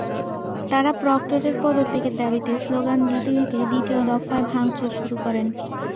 তাঁরা প্রক্টরের পদত্যাগের দাবিতে স্লোগান দিতে দিতে দ্বিতীয় দফায় ভাঙচুর শুরু করেন।